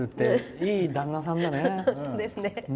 いい旦那さんだね。